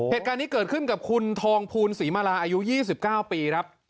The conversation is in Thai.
เหตุการณ์นี้เกิดขึ้นกับคุณทองภูลศรีมาลาอายุ๒๙ปีครับ